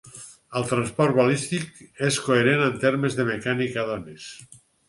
El transport balístic és coherent en termes de mecànica d'ones.